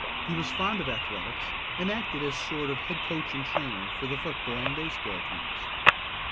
He was fond of athletics, and acted as sort of head coach and trainer for the football and baseball teams.